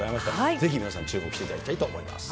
ぜひ皆さん、注目していただきたいと思います。